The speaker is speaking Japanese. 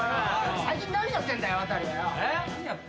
最近何やってんだよ亘はよ。